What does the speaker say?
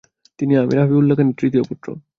তিনি আমির হাবিবউল্লাহ খানের তৃতীয় পুত্র।